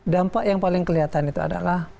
dampak yang paling kelihatan itu adalah